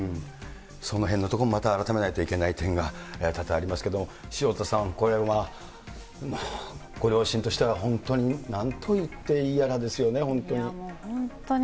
そのへんのところもまた改めないといけない点が多々ありますけれども、潮田さん、これは、もうご両親としては本当に、なんといっていいやらですよね、本当に。